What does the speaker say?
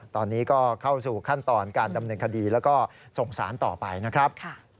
ตอนนี้ก็เข้าสู่ขั้นตอนการดำเนินคดีแล้วก็ส่งสารต่อไปนะครับ